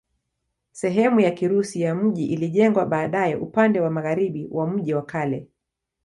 Sehemu ya Kirusi ya mji ilijengwa baadaye upande wa magharibi wa mji wa kale.